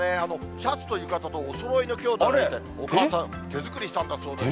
シャツと浴衣とおそろいのきょうだいがいて、お母さん、手作りしたんだそうです。